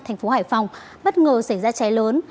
thành phố hải phòng bất ngờ xảy ra cháy lớn